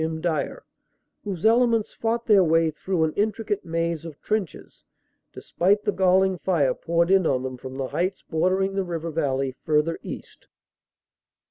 M. Dyer, whose elements fought their way through an intricate maze of trenches, despite the galling fire poured in on them from the heights bordering the river valley further east.